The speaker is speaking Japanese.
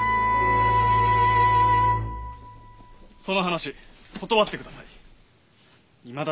その話断ってください。